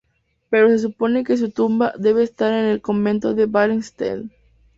Pero se supone que su tumba debe estar en el convento de Ballenstedt.